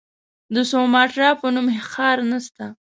د سوماټرا په نوم ښار نسته.